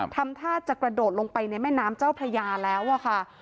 ทำท่าจะกระโดดลงไปในแม่น้ำเจ้าพระยาแล้วอะค่ะ